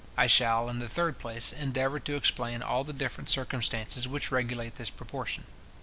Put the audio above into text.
I shall, in the third place, endeavour to explain all the different circumstances which regulate this proportion.